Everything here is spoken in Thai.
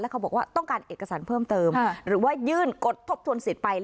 เขาบอกว่าต้องการเอกสารเพิ่มเติมหรือว่ายื่นกฎทบทวนสิทธิ์ไป